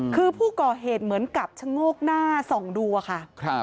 คือผู้ก่อเหตุเหมือนกับชะโงกหน้าส่องดูอะค่ะ